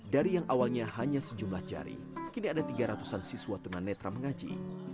dari yang awalnya hanya sejumlah jari kini ada tiga ratusan siswa tuan anadra mengaji